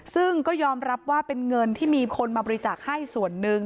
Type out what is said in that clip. ซึ่งก็ยอมรับว่าเป็นเงินที่มีคนมาบริจาคให้ส่วนหนึ่ง